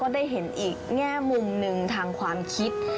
ได้เห็นอีกแง่มุมหนึ่งทางความคิด